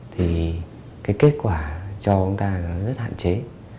thì kết quả cho chúng ta rất hạn chế